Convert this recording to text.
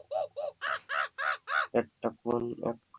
এটা কোন এক ধরনের মডেল মনে হচ্ছে!